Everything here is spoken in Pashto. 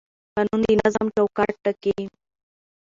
قانون د نظم چوکاټ ټاکي